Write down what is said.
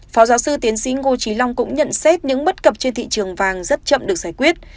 phó giáo sư tiến sĩ ngô trí long cũng nhận xét những bất cập trên thị trường vàng rất chậm được giải quyết